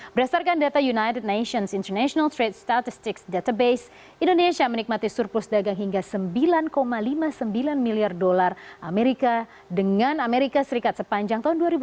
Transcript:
berdasarkan data united nations international trade statistics database indonesia menikmati surplus dagang hingga sembilan lima puluh sembilan miliar dolar amerika dengan amerika serikat sepanjang tahun dua ribu dua puluh